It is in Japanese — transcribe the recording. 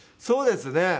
そうですね。